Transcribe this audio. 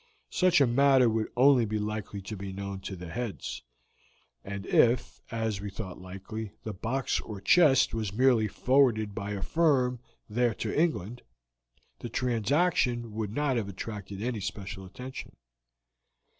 Such a matter would only be likely to be known to the heads; and if, as we thought likely, the box or chest was merely forwarded by a firm there to England, the transaction would not have attracted any special attention.